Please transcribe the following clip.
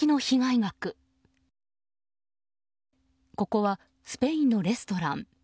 ここはスペインのレストラン。